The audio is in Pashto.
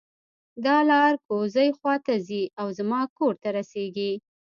دا لار کوزۍ خوا ته ځي او زما کور ته رسیږي